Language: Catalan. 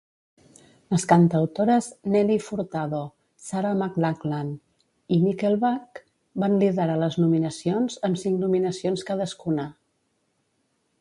Les cantautores Nelly Furtado, Sarah McLachlan i Nickelback van liderar les nominacions amb cinc nominacions cadascuna.